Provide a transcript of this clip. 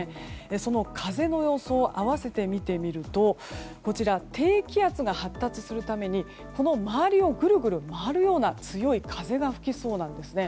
その風の予想を併せて見てみると低気圧が発達するためにこの周りをぐるぐる回るような強い風が吹きそうなんですね。